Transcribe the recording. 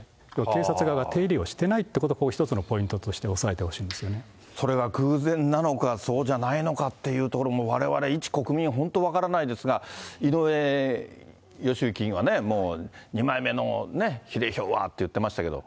警察側が手入れをしてないというところが一つのポイントとして押それが偶然なのかそうじゃないのかっていうところも、われわれ、一国民、本当分からないんですが、井上義行議員はね、もう、２枚目の比例票はって言ってましたけど。